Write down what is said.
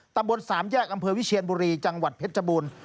ตำบลสามแยกอำเภอวิเชียนบุรีจังหวัดเพชรบูรณ์